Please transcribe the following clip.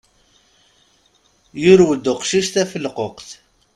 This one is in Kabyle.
Yurew-d uqcic tafelquqt.